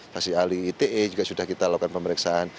saksi ahli ite juga sudah kita lakukan pemeriksaan